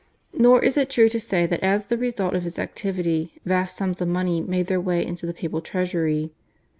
Nor is it true to say that as the result of his activity vast sums of money made their way into the papal treasury.